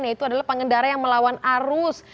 yaitu adalah pengendara yang melawan arus